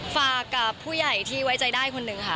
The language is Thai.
ฝากกับผู้ใหญ่ที่ไว้ใจได้คนหนึ่งค่ะ